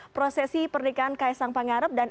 prosesi pernikahan kaisang pangarep dan